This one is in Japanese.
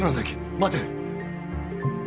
待て！